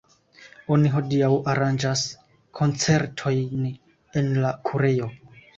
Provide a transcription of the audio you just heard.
Oni hodiaŭ aranĝas koncertojn en la kurejo.